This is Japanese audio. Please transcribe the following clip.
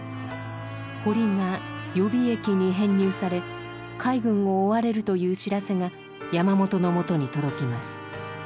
堀が予備役に編入され海軍を追われるという知らせが山本のもとに届きます。